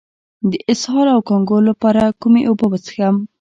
د اسهال او کانګو لپاره کومې اوبه وڅښم؟